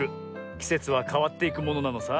きせつはかわっていくものなのさ。